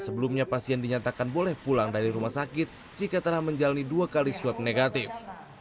karena sebelumnya pasien dinyatakan boleh pulang dari rumah sakit jika telah menjalani dua kali swab negatif